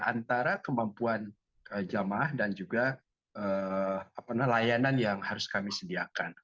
antara kemampuan jamaah dan juga layanan yang harus kami sediakan